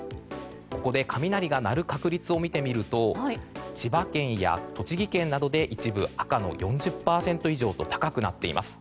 ここで雷が鳴る確率を見てみると千葉県や栃木県などで一部赤の４０％以上と高くなっています。